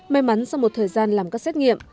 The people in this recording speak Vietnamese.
may mắn sau một thời gian làm các xét nghiệm